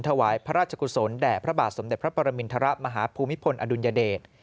ถวายพระราชกุศลแด่พระบาทสมเด็จพระปรมินทรมาฮภูมิพลอดุลยเดช